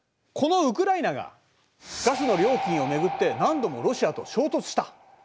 このウクライナがガスの料金を巡って何度もロシアと衝突した。